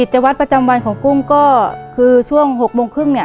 จังหวัดประจำวันของกุ้งก็คือช่วง๖โมงครึ่ง